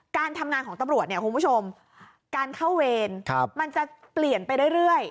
การทำงานของตำรวจเนี่ยคุณผู้ชมการเข้าเวรมันจะเปลี่ยนไปเรื่อย